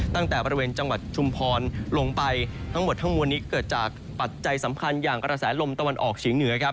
ตั้งแต่บริเวณจังหวัดชุมพรลงไปทั้งหมดทั้งมวลนี้เกิดจากปัจจัยสำคัญอย่างกระแสลมตะวันออกเฉียงเหนือครับ